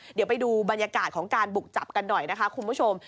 เดี๋ยวไปดูบรรยากาศของการบุกจับกันหน่อยนะคะคุณผู้ชม